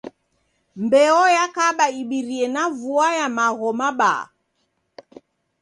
Mbeo yakaba ibirie na vua ya magho mabaa.